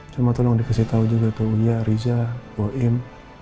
cuma tolong dikasih tahu juga tuh uya riza bu im